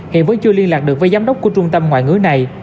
hiện vẫn chưa liên lạc được với giám đốc của trung tâm ngoại ngữ này